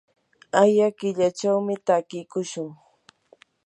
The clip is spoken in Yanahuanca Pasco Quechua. aya killachawmi takiykushun.